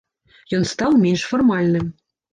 Ён стаў менш фармальным.